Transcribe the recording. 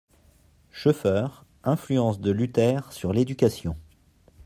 (Schoeffer, Influence de Luther sur l'éducation).